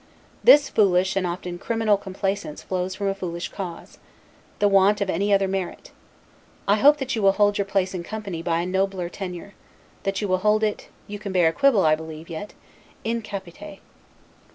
This foolish, and often criminal complaisance flows from a foolish cause, the want of any other merit. I hope that you will hold your place in company by a nobler tenure, and that you will hold it (you can bear a quibble, I believe, yet) 'in capite'.